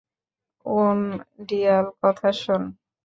উনডিয়াল, কথা শোন।